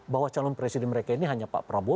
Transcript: bahwa calon presiden mereka ini hanya pak prabowo